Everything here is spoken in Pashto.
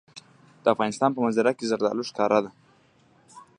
د افغانستان په منظره کې زردالو ښکاره ده.